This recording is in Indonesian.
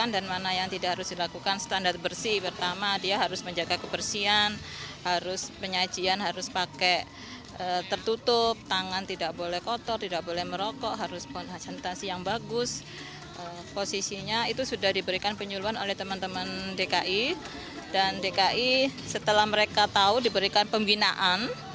diberikan penyuluan oleh teman teman dki dan dki setelah mereka tahu diberikan pembinaan